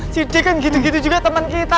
si j kan gitu gitu juga temen kita